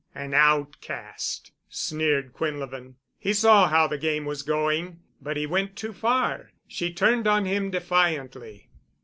"An outcast——," sneered Quinlevin. He saw how the game was going, but he went too far. She turned on him defiantly.